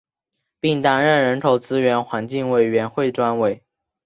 并担任人口资源环境委员会专委。